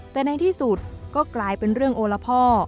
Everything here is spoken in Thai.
แต่ในที่สุดก็กลายเป็นเรื่องโอละพ่อ